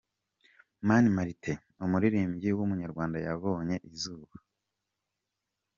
Mani Martin, umuririmbyi w’umunyarwanda yabonye izuba.